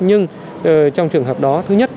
nhưng trong trường hợp đó thứ nhất